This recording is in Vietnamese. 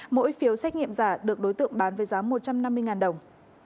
mỗi phiếu xét nghiệm giả được đối tượng bán với giá một trăm năm mươi đồng